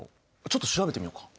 ちょっと調べてみようか。